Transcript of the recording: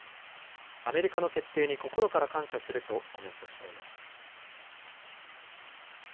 アメリカの決定に心から感謝するとコメントしています。